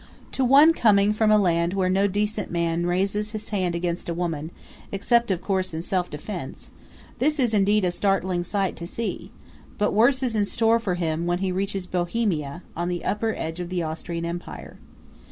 To one coming from a land where no decent man raises his hand against a woman except, of course, in self defense this is indeed a startling sight to see; but worse is in store for him when he reaches Bohemia, on the upper edge of the Austrian Empire.